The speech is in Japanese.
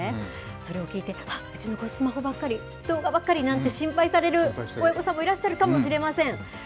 それを聞いて、あっ、うちの子、スマホばっかり、動画ばっかりなんて心配される親御さんもいらっしゃるかもしれません。